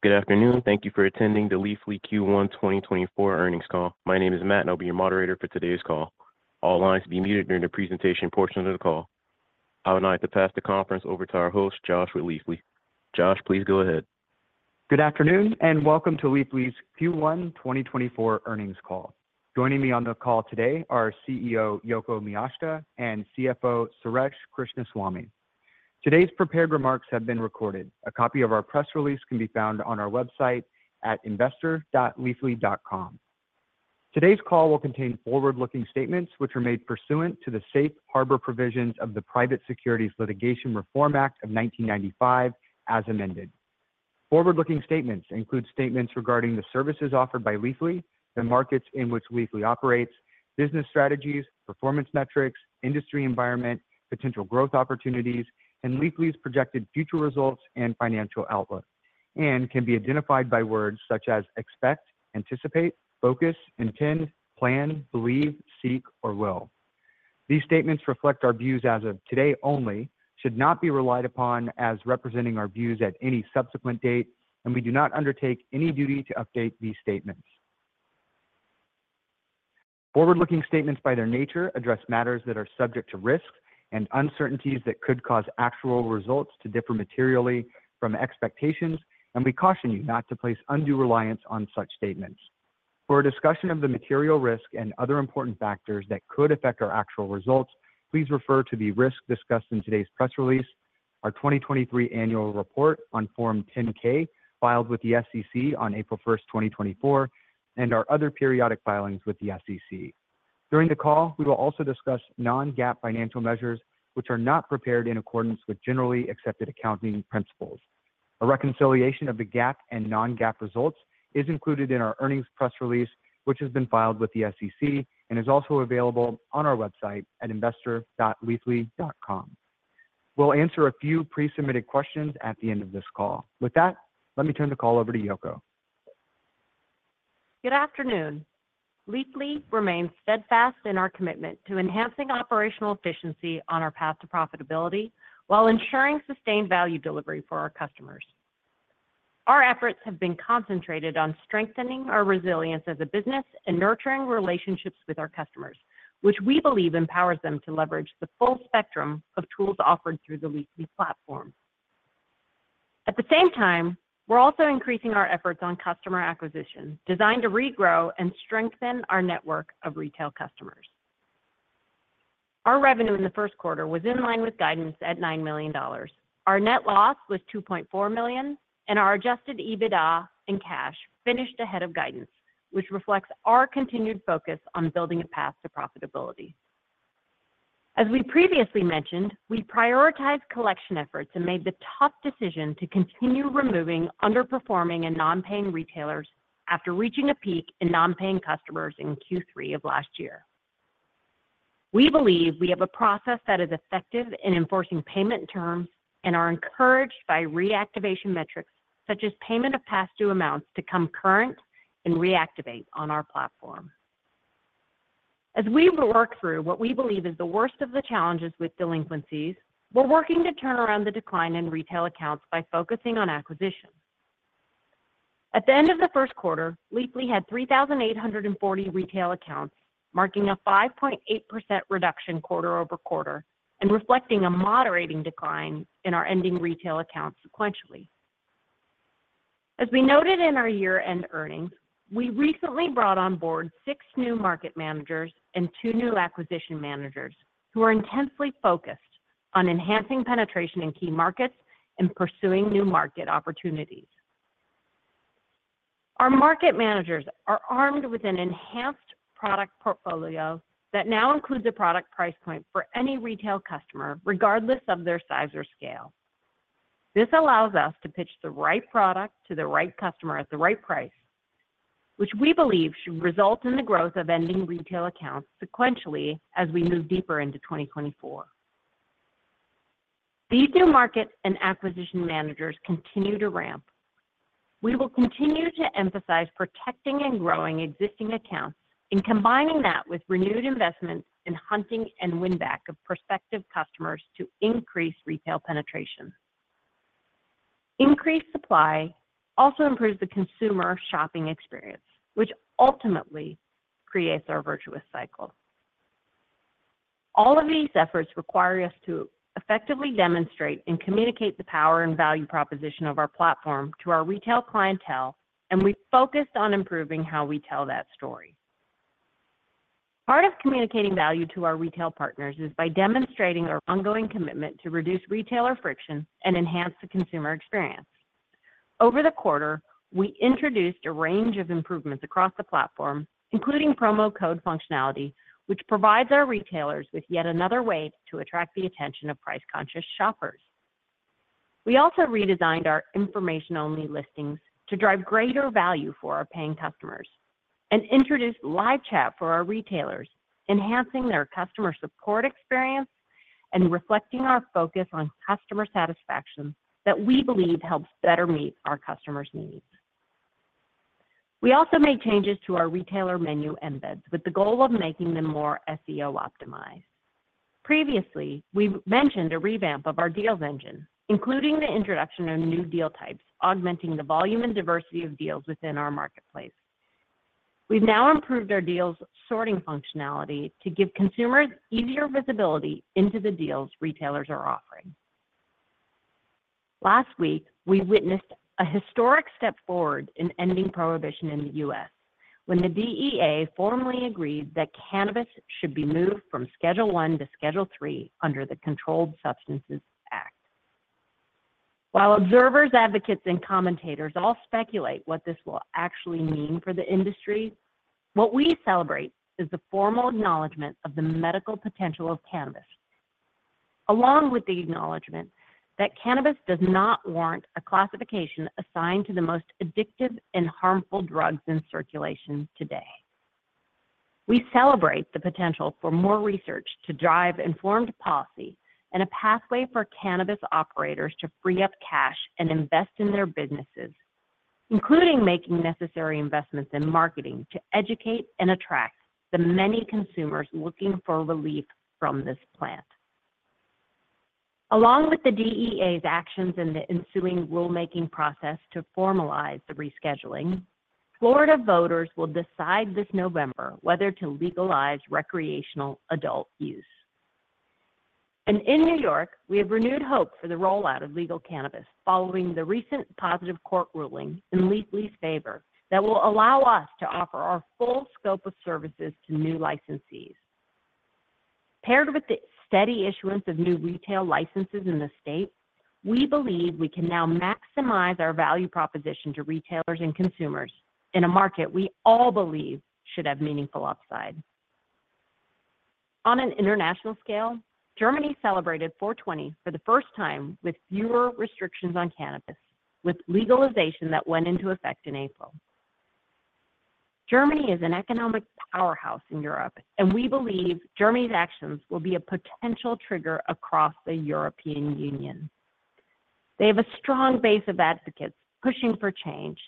Good afternoon. Thank you for attending the Leafly Q1 2024 earnings call. My name is Matt, and I'll be your moderator for today's call. All lines will be muted during the presentation portion of the call. I would like to pass the conference over to our host, Josh deBerge. Josh, please go ahead. Good afternoon and welcome to Leafly's Q1 2024 earnings call. Joining me on the call today are CEO Yoko Miyashita and CFO Suresh Krishnaswamy. Today's prepared remarks have been recorded. A copy of our press release can be found on our website at investor.leafly.com. Today's call will contain forward-looking statements which are made pursuant to the Safe Harbor Provisions of the Private Securities Litigation Reform Act of 1995 as amended. Forward-looking statements include statements regarding the services offered by Leafly, the markets in which Leafly operates, business strategies, performance metrics, industry environment, potential growth opportunities, and Leafly's projected future results and financial outlook, and can be identified by words such as expect, anticipate, focus, intend, plan, believe, seek, or will. These statements reflect our views as of today only, should not be relied upon as representing our views at any subsequent date, and we do not undertake any duty to update these statements. Forward-looking statements by their nature address matters that are subject to risk and uncertainties that could cause actual results to differ materially from expectations, and we caution you not to place undue reliance on such statements. For a discussion of the material risk and other important factors that could affect our actual results, please refer to the risk discussed in today's press release, our 2023 annual report on Form 10-K filed with the SEC on April 1, 2024, and our other periodic filings with the SEC. During the call, we will also discuss non-GAAP financial measures which are not prepared in accordance with generally accepted accounting principles. A reconciliation of the GAAP and non-GAAP results is included in our earnings press release which has been filed with the SEC and is also available on our website at investor.leafly.com. We'll answer a few pre-submitted questions at the end of this call. With that, let me turn the call over to Yoko. Good afternoon. Leafly remains steadfast in our commitment to enhancing operational efficiency on our path to profitability while ensuring sustained value delivery for our customers. Our efforts have been concentrated on strengthening our resilience as a business and nurturing relationships with our customers, which we believe empowers them to leverage the full spectrum of tools offered through the Leafly platform. At the same time, we're also increasing our efforts on customer acquisition designed to regrow and strengthen our network of retail customers. Our revenue in the first quarter was in line with guidance at $9 million. Our net loss was $2.4 million, and our Adjusted EBITDA and cash finished ahead of guidance, which reflects our continued focus on building a path to profitability. As we previously mentioned, we prioritized collection efforts and made the tough decision to continue removing underperforming and non-paying retailers after reaching a peak in non-paying customers in Q3 of last year. We believe we have a process that is effective in enforcing payment terms and are encouraged by reactivation metrics such as payment of past-due amounts to come current and reactivate on our platform. As we work through what we believe is the worst of the challenges with delinquencies, we're working to turn around the decline in retail accounts by focusing on acquisition. At the end of the first quarter, Leafly had 3,840 retail accounts, marking a 5.8% reduction quarter-over-quarter and reflecting a moderating decline in our ending retail accounts sequentially. As we noted in our year-end earnings, we recently brought on board six new market managers and two new acquisition managers who are intensely focused on enhancing penetration in key markets and pursuing new market opportunities. Our market managers are armed with an enhanced product portfolio that now includes a product price point for any retail customer, regardless of their size or scale. This allows us to pitch the right product to the right customer at the right price, which we believe should result in the growth of ending retail accounts sequentially as we move deeper into 2024. These new market and acquisition managers continue to ramp. We will continue to emphasize protecting and growing existing accounts and combining that with renewed investments in hunting and winback of prospective customers to increase retail penetration. Increased supply also improves the consumer shopping experience, which ultimately creates our virtuous cycle. All of these efforts require us to effectively demonstrate and communicate the power and value proposition of our platform to our retail clientele, and we've focused on improving how we tell that story. Part of communicating value to our retail partners is by demonstrating our ongoing commitment to reduce retailer friction and enhance the consumer experience. Over the quarter, we introduced a range of improvements across the platform, including promo code functionality, which provides our retailers with yet another way to attract the attention of price-conscious shoppers. We also redesigned our information-only listings to drive greater value for our paying customers and introduced live chat for our retailers, enhancing their customer support experience and reflecting our focus on customer satisfaction that we believe helps better meet our customers' needs. We also made changes to our retailer menu embeds with the goal of making them more SEO-optimized. Previously, we mentioned a revamp of our deals engine, including the introduction of new deal types, augmenting the volume and diversity of deals within our marketplace. We've now improved our deals sorting functionality to give consumers easier visibility into the deals retailers are offering. Last week, we witnessed a historic step forward in ending prohibition in the U.S. when the DEA formally agreed that cannabis should be moved from Schedule I to Schedule III under the Controlled Substances Act. While observers, advocates, and commentators all speculate what this will actually mean for the industry, what we celebrate is the formal acknowledgment of the medical potential of cannabis, along with the acknowledgment that cannabis does not warrant a classification assigned to the most addictive and harmful drugs in circulation today. We celebrate the potential for more research to drive informed policy and a pathway for cannabis operators to free up cash and invest in their businesses, including making necessary investments in marketing to educate and attract the many consumers looking for relief from this plant. Along with the DEA's actions in the ensuing rulemaking process to formalize the rescheduling, Florida voters will decide this November whether to legalize recreational adult use. In New York, we have renewed hope for the rollout of legal cannabis following the recent positive court ruling in Leafly's favor that will allow us to offer our full scope of services to new licensees. Paired with the steady issuance of new retail licenses in the state, we believe we can now maximize our value proposition to retailers and consumers in a market we all believe should have meaningful upside. On an international scale, Germany celebrated 4/20 for the first time with fewer restrictions on cannabis, with legalization that went into effect in April. Germany is an economic powerhouse in Europe, and we believe Germany's actions will be a potential trigger across the European Union. They have a strong base of advocates pushing for change,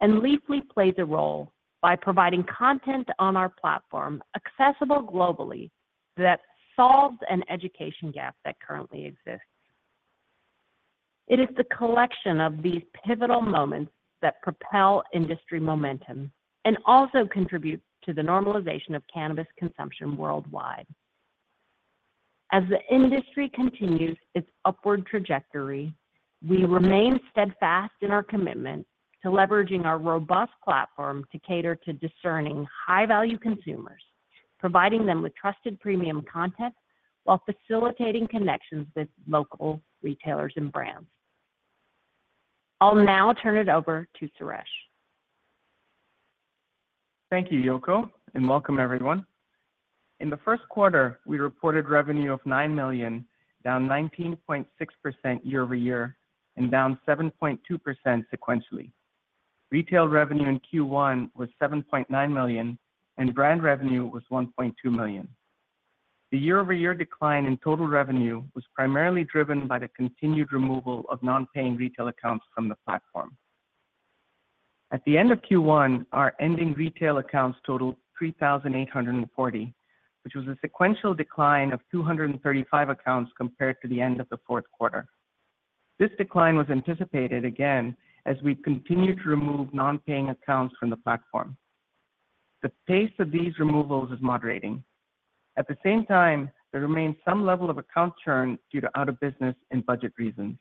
and Leafly plays a role by providing content on our platform accessible globally that solves an education gap that currently exists. It is the collection of these pivotal moments that propel industry momentum and also contribute to the normalization of cannabis consumption worldwide. As the industry continues its upward trajectory, we remain steadfast in our commitment to leveraging our robust platform to cater to discerning high-value consumers, providing them with trusted premium content while facilitating connections with local retailers and brands. I'll now turn it over to Suresh. Thank you, Yoko, and welcome, everyone. In the first quarter, we reported revenue of $9 million, down 19.6% year-over-year and down 7.2% sequentially. Retail revenue in Q1 was $7.9 million, and brand revenue was $1.2 million. The year-over-year decline in total revenue was primarily driven by the continued removal of non-paying retail accounts from the platform. At the end of Q1, our ending retail accounts totaled 3,840, which was a sequential decline of 235 accounts compared to the end of the fourth quarter. This decline was anticipated, again, as we continue to remove non-paying accounts from the platform. The pace of these removals is moderating. At the same time, there remains some level of account churn due to out-of-business and budget reasons.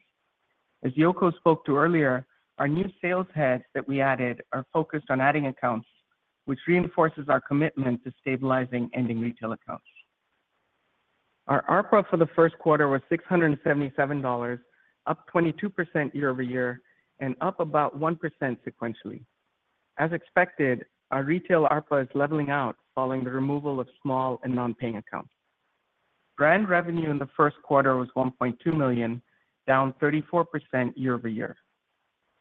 As Yoko spoke to earlier, our new sales heads that we added are focused on adding accounts, which reinforces our commitment to stabilizing ending retail accounts. Our ARPA for the first quarter was $677, up 22% year-over-year and up about 1% sequentially. As expected, our retail ARPA is leveling out following the removal of small and non-paying accounts. Brand revenue in the first quarter was $1.2 million, down 34% year-over-year.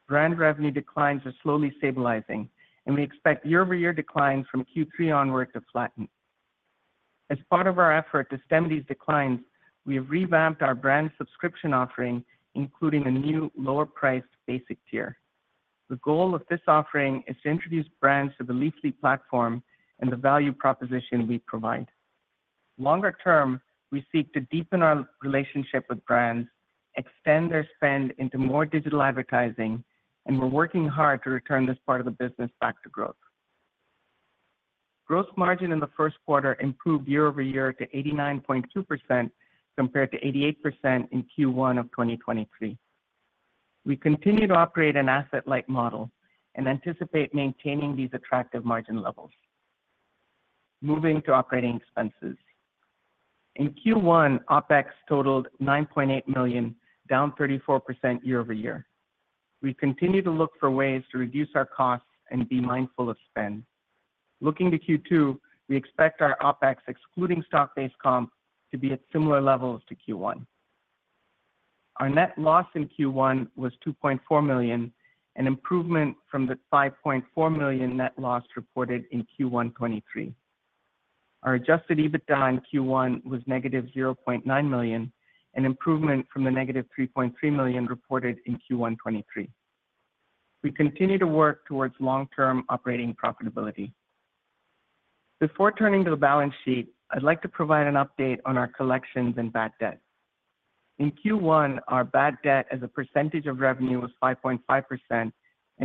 Brand revenue declines are slowly stabilizing, and we expect year-over-year declines from Q3 onward to flatten. As part of our effort to stem these declines, we have revamped our brand subscription offering, including a new lower-priced basic tier. The goal of this offering is to introduce brands to the Leafly platform and the value proposition we provide. Longer term, we seek to deepen our relationship with brands, extend their spend into more digital advertising, and we're working hard to return this part of the business back to growth. Gross margin in the first quarter improved year-over-year to 89.2% compared to 88% in Q1 of 2023. We continue to operate an asset-light model and anticipate maintaining these attractive margin levels. Moving to operating expenses. In Q1, OpEx totaled $9.8 million, down 34% year-over-year. We continue to look for ways to reduce our costs and be mindful of spend. Looking to Q2, we expect our OpEx, excluding stock-based comp, to be at similar levels to Q1. Our net loss in Q1 was $2.4 million, an improvement from the $5.4 million net loss reported in Q1 2023. Our adjusted EBITDA in Q1 was -$0.9 million, an improvement from the -$3.3 million reported in Q1 2023. We continue to work towards long-term operating profitability. Before turning to the balance sheet, I'd like to provide an update on our collections and bad debt. In Q1, our bad debt as a percentage of revenue was 5.5%, an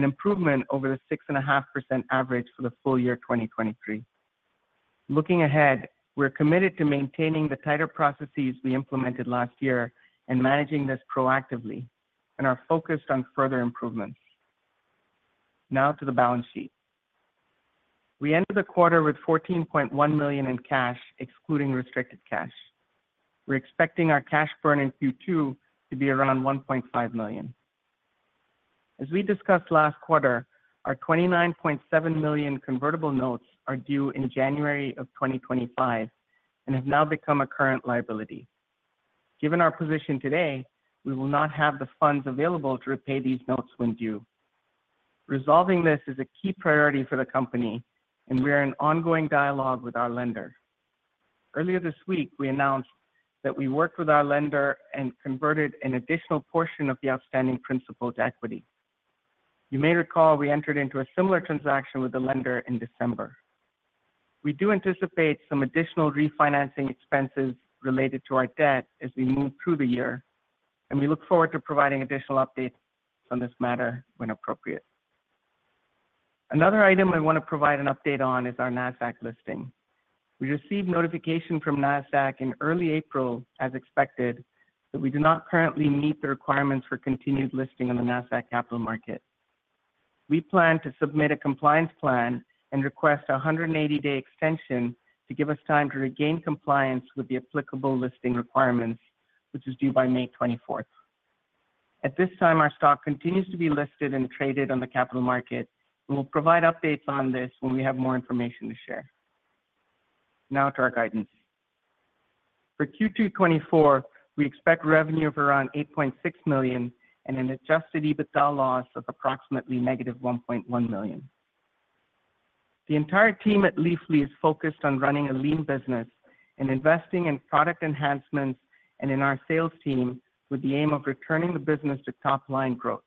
improvement over the 6.5% average for the full year 2023. Looking ahead, we're committed to maintaining the tighter processes we implemented last year and managing this proactively, and are focused on further improvements. Now to the balance sheet. We ended the quarter with $14.1 million in cash, excluding restricted cash. We're expecting our cash burn in Q2 to be around $1.5 million. As we discussed last quarter, our $29.7 million convertible notes are due in January of 2025 and have now become a current liability. Given our position today, we will not have the funds available to repay these notes when due. Resolving this is a key priority for the company, and we're in ongoing dialogue with our lender. Earlier this week, we announced that we worked with our lender and converted an additional portion of the outstanding principal to equity. You may recall we entered into a similar transaction with the lender in December. We do anticipate some additional refinancing expenses related to our debt as we move through the year, and we look forward to providing additional updates on this matter when appropriate. Another item I want to provide an update on is our Nasdaq listing. We received notification from Nasdaq in early April, as expected, that we do not currently meet the requirements for continued listing on the Nasdaq Capital Market. We plan to submit a compliance plan and request a 180-day extension to give us time to regain compliance with the applicable listing requirements, which is due by May 24th. At this time, our stock continues to be listed and traded on the capital market, and we'll provide updates on this when we have more information to share. Now to our guidance. For Q2/2024, we expect revenue of around $8.6 million and an Adjusted EBITDA loss of approximately -$1.1 million. The entire team at Leafly is focused on running a lean business and investing in product enhancements and in our sales team with the aim of returning the business to top-line growth.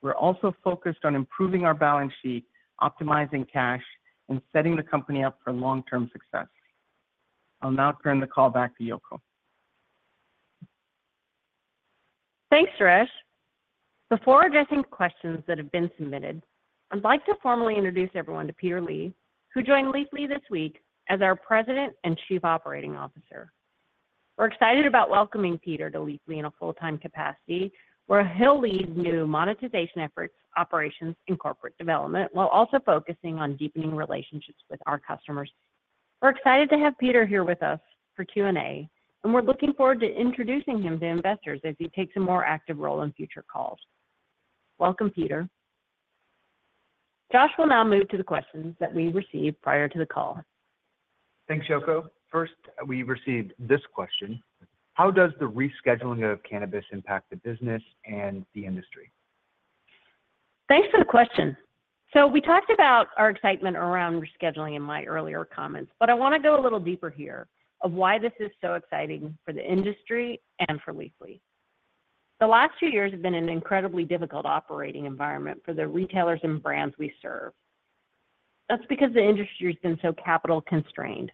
We're also focused on improving our balance sheet, optimizing cash, and setting the company up for long-term success. I'll now turn the call back to Yoko. Thanks, Suresh. Before addressing questions that have been submitted, I'd like to formally introduce everyone to Peter Lee, who joined Leafly this week as our President and Chief Operating Officer. We're excited about welcoming Peter to Leafly in a full-time capacity where he'll lead new monetization efforts, operations, and corporate development while also focusing on deepening relationships with our customers. We're excited to have Peter here with us for Q&A, and we're looking forward to introducing him to investors as he takes a more active role in future calls. Welcome, Peter. Josh will now move to the questions that we received prior to the call. Thanks, Yoko. First, we received this question: How does the rescheduling of cannabis impact the business and the industry? Thanks for the question. So we talked about our excitement around rescheduling in my earlier comments, but I want to go a little deeper here of why this is so exciting for the industry and for Leafly. The last two years have been an incredibly difficult operating environment for the retailers and brands we serve. That's because the industry has been so capital-constrained.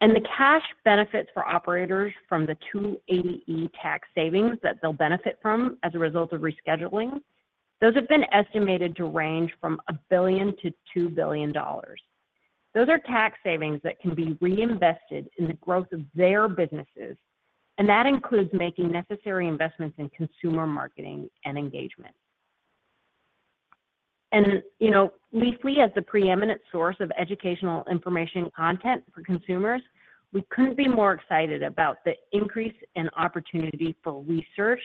And the cash benefits for operators from the 280E tax savings that they'll benefit from as a result of rescheduling, those have been estimated to range from $1 billion to $2 billion. Those are tax savings that can be reinvested in the growth of their businesses, and that includes making necessary investments in consumer marketing and engagement. Leafly, as the preeminent source of educational information content for consumers, we couldn't be more excited about the increase in opportunity for research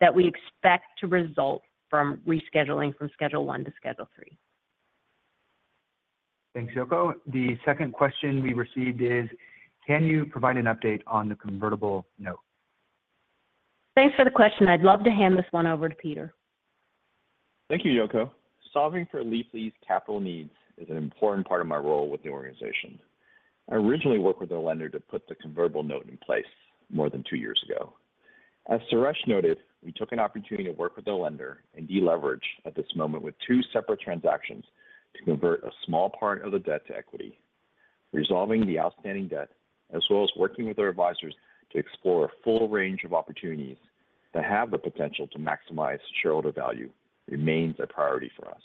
that we expect to result from rescheduling from Schedule I to Schedule III. Thanks, Yoko. The second question we received is: Can you provide an update on the convertible note? Thanks for the question. I'd love to hand this one over to Peter. Thank you, Yoko. Solving for Leafly's capital needs is an important part of my role with the organization. I originally worked with a lender to put the convertible note in place more than two years ago. As Suresh noted, we took an opportunity to work with a lender and deleverage at this moment with two separate transactions to convert a small part of the debt to equity. Resolving the outstanding debt, as well as working with our advisors to explore a full range of opportunities that have the potential to maximize shareholder value, remains a priority for us.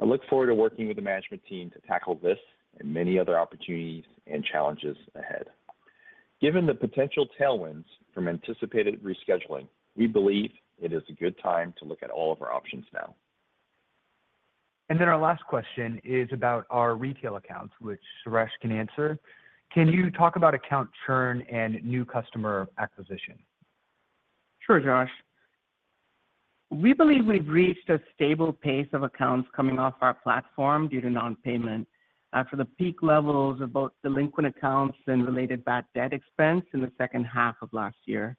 I look forward to working with the management team to tackle this and many other opportunities and challenges ahead. Given the potential tailwinds from anticipated rescheduling, we believe it is a good time to look at all of our options now. Then our last question is about our retail accounts, which Suresh can answer. Can you talk about account churn and new customer acquisition? Sure, Josh. We believe we've reached a stable pace of accounts coming off our platform due to non-payment for the peak levels of both delinquent accounts and related bad debt expense in the second half of last year.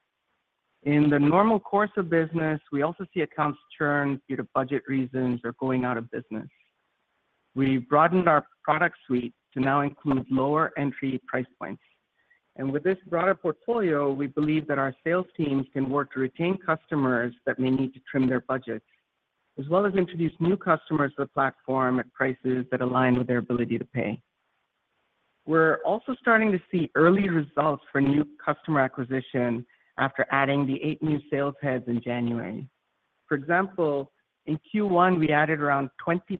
In the normal course of business, we also see accounts churn due to budget reasons or going out of business. We broadened our product suite to now include lower entry price points. With this broader portfolio, we believe that our sales teams can work to retain customers that may need to trim their budgets, as well as introduce new customers to the platform at prices that align with their ability to pay. We're also starting to see early results for new customer acquisition after adding the eight new sales heads in January. For example, in Q1, we added around 20%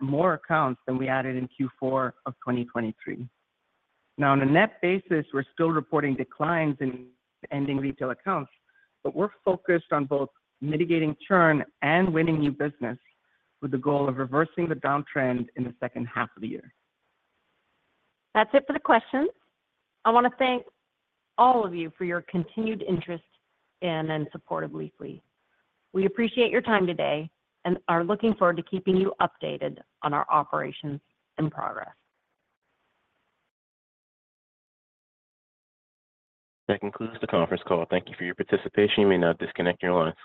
more accounts than we added in Q4 of 2023. Now, on a net basis, we're still reporting declines in ending retail accounts, but we're focused on both mitigating churn and winning new business with the goal of reversing the downtrend in the second half of the year. That's it for the questions. I want to thank all of you for your continued interest in and support of Leafly. We appreciate your time today and are looking forward to keeping you updated on our operations and progress. That concludes the conference call. Thank you for your participation. You may now disconnect your lines.